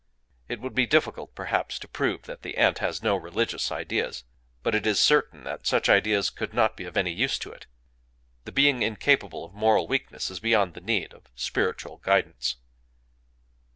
It would be difficult, perhaps, to prove that the ant has no religious ideas. But it is certain that such ideas could not be of any use to it. The being incapable of moral weakness is beyond the need of "spiritual guidance."